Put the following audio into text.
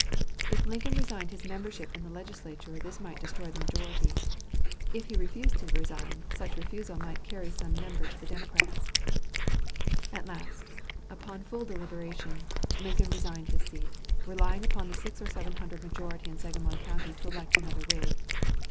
If Lincoln resigned his membership in the Legislature this might destroy the majority. If he refused to resign, such refusal might carry some member to the Democrats. [Illustration: OWEN LOVEJOY.] At last, upon full deliberation, Lincoln resigned his seat, relying upon the six or seven hundred majority in Sangamon County to elect another Whig.